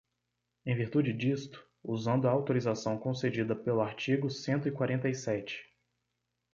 Em virtude disto, usando a autorização concedida pelo artigo cento e quarenta e sete.